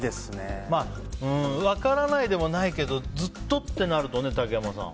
分からないでもないけどずっととなるとね竹山さん。